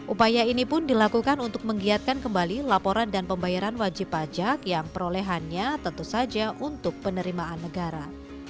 upaya ini pun dilakukan untuk menggiatkan kembali laporan dan pembayaran wajib pajak yang perolehannya tentu saja untuk penerimaan negara